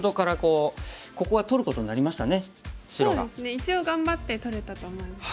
一応頑張って取れたと思います。